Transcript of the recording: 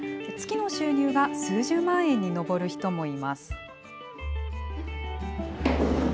月の収入が数十万円に上る人もいます。